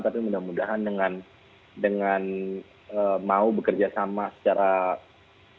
tapi mudah mudahan dengan mau bekerja sama secara langsung